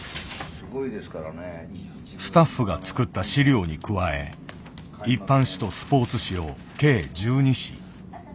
スタッフが作った資料に加え一般紙とスポーツ紙を計１２紙。